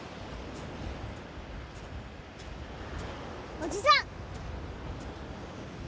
おじさん！